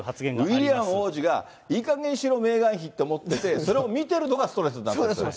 ウィリアム王子が、いいかげんにしろ、メーガン妃、と思ってて、それを見てるのがストレスになっているということ？